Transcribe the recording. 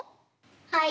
はい。